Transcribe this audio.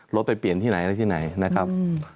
ไปเปลี่ยนที่ไหนอะไรที่ไหนนะครับ